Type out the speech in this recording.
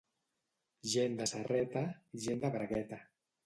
Gent de serreta, gent de bragueta.